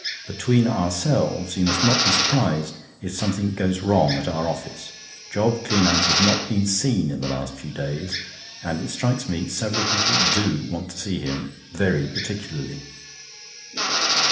Between ourselves, you must not be surprised if something goes wrong at our office. Job Cleanands has not been seen the last few days, and it strikes me several people do want to see him very particularly."